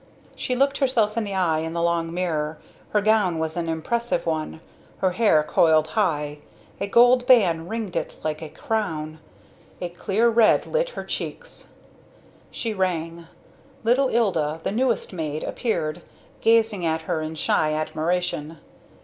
She looked herself in the eye in the long mirror. Her gown was an impressive one, her hair coiled high, a gold band ringed it like a crown. A clear red lit her checks. She rang. Little Ilda, the newest maid, appeared, gazing at her in shy admiration.